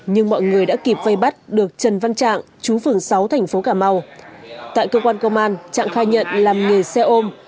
nhưng họ vẫn chưa thể bước chân lên xe